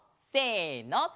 せの。